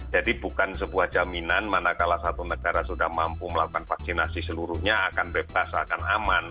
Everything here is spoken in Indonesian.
jadi bukan sebuah jaminan manakala satu negara sudah mampu melakukan vaksinasi seluruhnya akan bebas akan aman